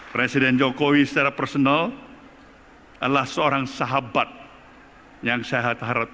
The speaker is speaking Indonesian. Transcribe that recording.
presiden jokowi secara personal adalah seorang sahabat yang sehat harapkan